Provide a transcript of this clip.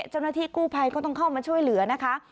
เจ้าหน้าที่กู้ภัยก็ต้องเข้ามาช่วยเหลือนะคะ